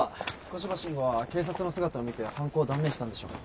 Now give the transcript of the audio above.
古芝伸吾は警察の姿を見て犯行を断念したんでしょう。